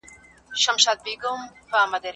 رقیبان به دي کاڼه وي په دوو سترګو به ړانده وي